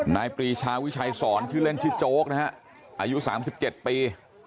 ปรีชาวิชัยสอนชื่อเล่นชื่อโจ๊กนะฮะอายุ๓๗ปี